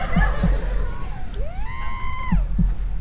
ได้ครับ